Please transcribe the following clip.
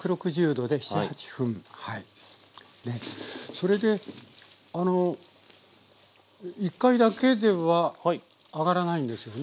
それであの１回だけでは揚がらないんですよね？